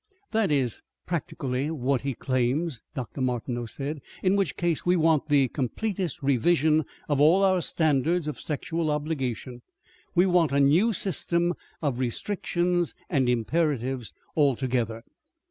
"That is practically what he claims," Dr. Martineau said. "In which case we want the completest revision of all our standards of sexual obligation. We want a new system of restrictions and imperatives altogether."